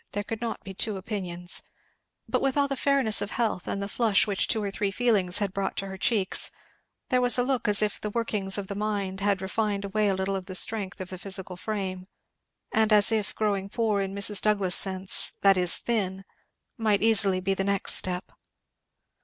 There could not be two opinions. But with all the fairness of health, and the flush which two or three feelings had brought to her cheeks, there was a look as if the workings of the mind had refined away a little of the strength of the physical frame, and as if growing poor in Mrs. Douglass's sense, that is, thin, might easily be the next step.